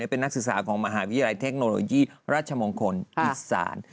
เป็นนักศึกษาของมหาวิทยาลัยเทคโนโลยีราชมงคลอีสาน